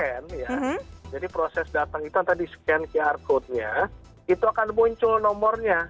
jadi proses datang itu nanti di scan qr code nya itu akan muncul nomornya